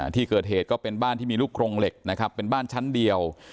ที่เกิดเหตุก็เป็นบ้านที่มีลูกโครงเหล็กนะครับเป็นบ้านชั้นเดียว